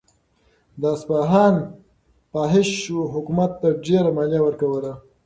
د اصفهان فاحشو حکومت ته ډېره مالیه ورکوله.